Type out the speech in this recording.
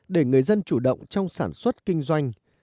để người dân chủ động trong sản xuất kinh doanh